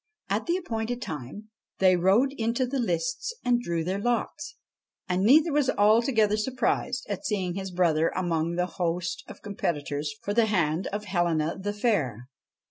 At the appointed time they rode into the lists and drew their lots, and neither was altogether surprised at seeing his brother among the host of competitors for the hand of Helena the Fair.